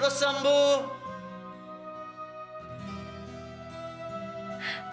era kamu sudah sembuh